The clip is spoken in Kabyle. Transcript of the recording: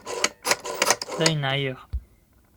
Dayen ɛyiɣ.